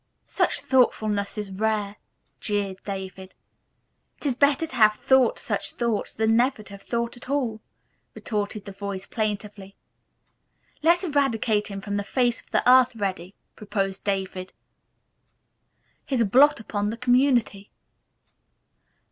"Such thoughtfulness is rare," jeered David. "'Tis better to have thought such thoughts, than never to have thought at all," retorted the voice plaintively. "Let's eradicate him from the face of the earth, Reddy," proposed David. "He's a blot upon the community."